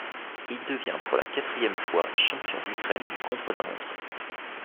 Il devient pour la quatrième fois champion d'Ukraine du contre-la-montre.